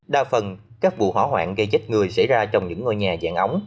đa phần các vụ hỏa hoạn gây chết người xảy ra trong những ngôi nhà dạng ống